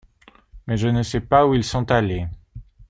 Mais je ne sais pas où ils sont allés.